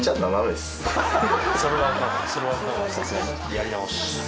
やり直し。